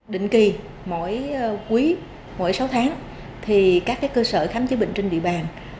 định kỳ mỗi quý mỗi sáu tháng thì các cơ sở khám chữa bệnh trên địa bàn